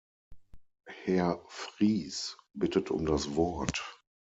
Herr Vries bittet um das Wort.